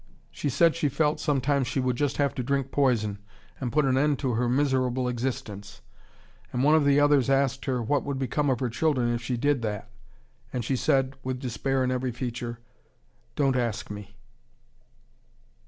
She said she felt sometimes she would just have to drink poison, and put an end to her miserable existence, and one of the others asked her what would become of her children if she did that, and she said, with despair in every feature, "Don't ask me."